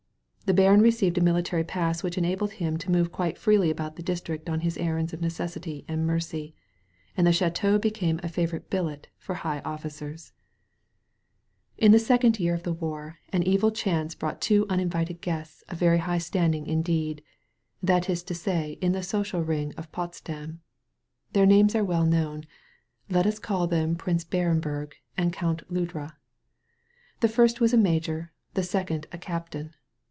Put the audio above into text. The baron received a military pass which enabled him to move quite freely about the district on his errands of necessity and mercy, and the ch&teau became a favorite billet for high bom officers. 52 A SANCTUARY OF TREES In the second year of the war an evil chance brought two uninvited guests of very high standing indeed — that is to say in the social ring of Potsdam. Their names are well known. Let us call them Prince Barenberg and Count Ludra. The first was a major, the second a captain.